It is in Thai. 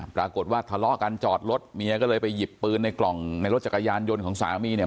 ปรากฏว่าทะเลาะกันจอดรถเมียก็เลยไปหยิบปืนในกล่องในรถจักรยานยนต์ของสามีเนี่ย